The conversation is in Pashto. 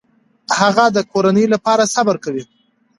هغه د کورنۍ لپاره صبر کوي.